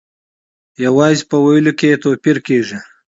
یوازې په ویلو کې یې توپیر کیږي.